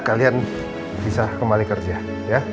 kalian bisa kembali kerja